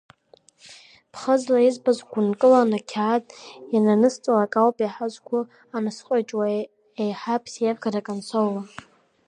Ԥхыӡла избаз гәынкыланы ақьаад иананысҵалак ауп еиҳа сгәы анысҟычуа, еиҳа ԥсеивгарак ансоуа…